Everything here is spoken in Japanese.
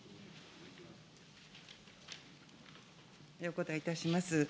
お答えいたします。